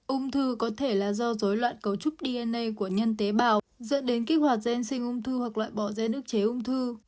ung thư có thể là do dối loạn cấu trúc dna của nhân tế bào dẫn đến kích hoạt gen sinh ung thư hoặc loại bỏ gen nước chế ung thư